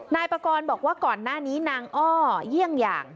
นายปากรบอกว่าก่อนหน้านี้นางอ้อเยี่ยงอย่าง